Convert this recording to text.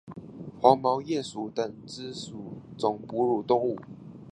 黄毛鼹属等之数种哺乳动物。